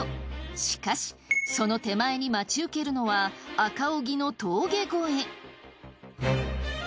しかしその手前に待ち受けるのは赤荻の峠越え。